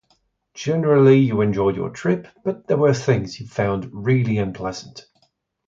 Generally you enjoyed your trip, but there were things you found really unpleasant.